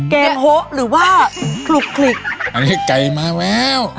เกมโฮะหรือว่าคลุกคลิกอันนี้ไก่มาแล้ว